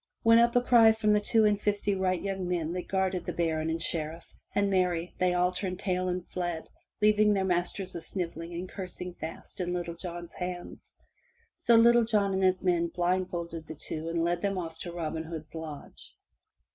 Went up a cry from the two and fifty wight young men that guarded the baron and sheriff, and marry! they all turned tail and fled, leaving their masters a snivelling and cursing fast in Little John's hands. So Little John and his men blindfolded the two and led them off to Robin Hood's lodge.